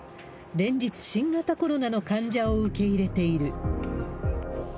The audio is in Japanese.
連日、新型コロナの患者を受け入れている。